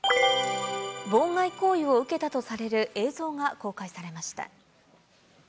妨害行為を受けたとされる映像が公開されました。